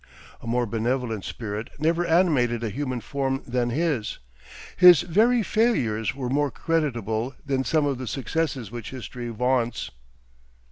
A more benevolent spirit never animated a human form than his; his very failures were more creditable than some of the successes which history vaunts.